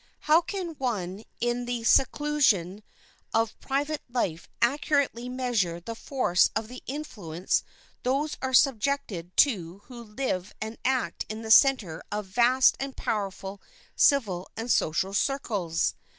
How can one in the seclusion of private life accurately measure the force of the influence those are subjected to who live and act in the center of vast and powerful civil and social circles?